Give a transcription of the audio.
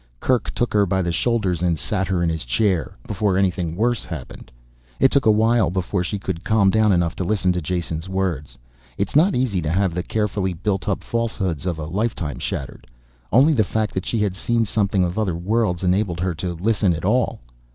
Kerk took her by the shoulders and sat her in his chair, before anything worse happened. It took a while before she could calm down enough to listen to Jason's words. It is not easy to have the carefully built up falsehoods of a lifetime shattered. Only the fact that she had seen something of other worlds enabled her to listen at all.